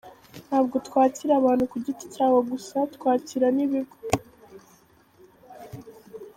Ntabwo twakira abantu ku giti cyabo gusa, twakira n’ibigo.